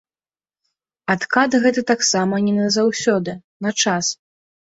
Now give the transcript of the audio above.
Адкат гэты таксама не на заўсёды, на час.